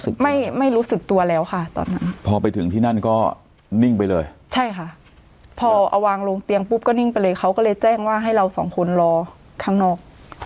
ไม่ไม่รู้สึกตัวแล้วค่ะตอนนั้นพอไปถึงที่นั่นก็นิ่งไปเลยใช่ค่ะพอเอาวางลงเตียงปุ๊บก็นิ่งไปเลยเขาก็เลยแจ้งว่าให้เราสองคนรอข้างนอก